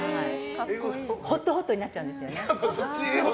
ホット、ホットになっちゃうんです。